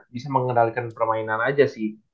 bisa mengendalikan permainan aja sih